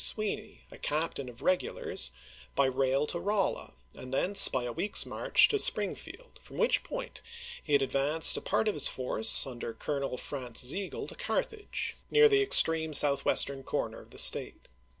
Sweeney, a cap tain of regulars, by rail to Rolla and thence by a week's march to Springfield, from which point he had advanced a part of his force under Colonel Franz Sigel to Carthage, near the extreme south western corner of the State.